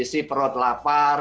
kondisi perut lapar